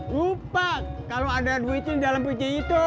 lupa kalau ada duitnya di dalam kucinya itu